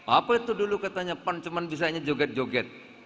apa itu dulu katanya pan cuma bisanya joget joget